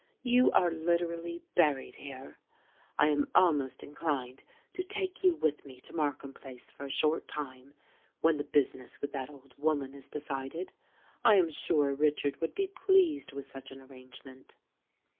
You are literally buried here! I am almost inclined to take you with me to Markham Place for a short time, when the business with that old woman is decided. I am sure Richard would be pleased with such an arrangement."